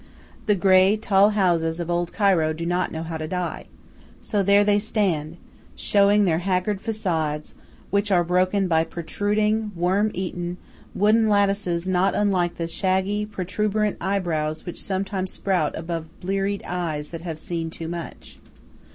The grey, tall houses of Old Cairo do not know how to die. So there they stand, showing their haggard facades, which are broken by protruding, worm eaten, wooden lattices not unlike the shaggy, protuberant eyebrows which sometimes sprout above bleared eyes that have seen too much.